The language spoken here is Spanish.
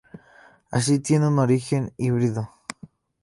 Así tiene un origen híbrido.